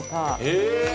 へえ！